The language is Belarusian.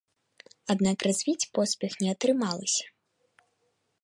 Аднак развіць поспех не атрымалася.